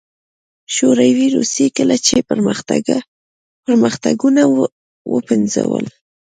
شوروي روسيې کله چې پرمختګونه وپنځول